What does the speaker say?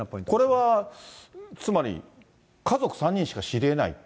これはつまり、家族３人しか知りえない。